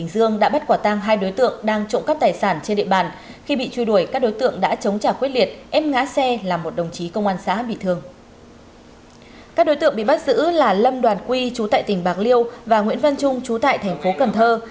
đoàn quy trú tại tỉnh bạc liêu và nguyễn văn trung trú tại thành phố cần thơ